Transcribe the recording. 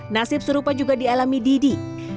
nasib serupa juga dialami didi